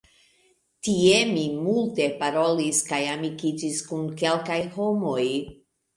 Tie mi multe parolis kaj amikiĝis kun kelkaj homoj.